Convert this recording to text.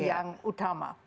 yang aktor utama